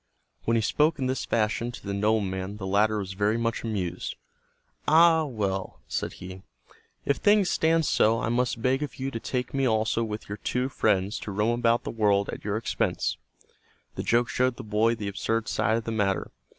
When he spoke in this fashion to the nobleman the latter was very much amused. "Ah, well," said he, "if things stand so I must beg of you to take me also with your two friends to roam about the world at your expense." The joke showed the boy the absurd side of the matter.